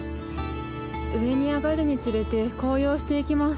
上に上がるにつれて紅葉していきます。